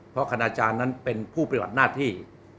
เพราะคณาจารย์นั้นเป็นผู้ปฏิบัติหน้าที่